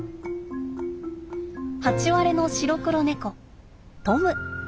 ハチワレの白黒猫トム。